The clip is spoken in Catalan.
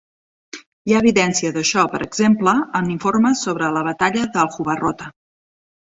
Hi ha evidència d'això, per exemple, en informes sobre la batalla d'Aljubarrota.